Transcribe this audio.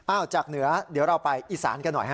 จากเหนือเดี๋ยวเราไปอีสานกันหน่อยฮะ